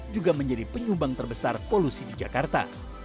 juga menjadi penyumbang terbesar polusi di jakarta